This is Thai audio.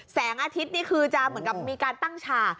แสงอาทิตย์นี่คือจะเหมือนกับมีการตั้งฉาก